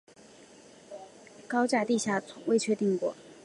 高架地下未确定过。